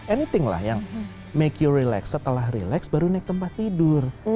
anything lah yang make your relax setelah relax baru naik tempat tidur